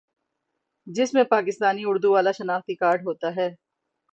جس میں پاکستانی اردو والا شناختی کارڈ ہوتا ہے